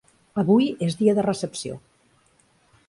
Avui és dia de recepció.